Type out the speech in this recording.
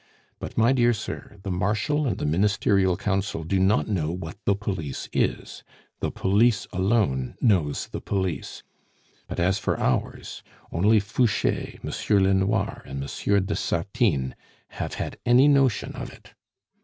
But, my dear sir, the Marshal and the Ministerial Council do not know what the Police is. The Police alone knows the Police; but as for ours, only Fouche, Monsieur Lenoir, and Monsieur de Sartines have had any notion of it.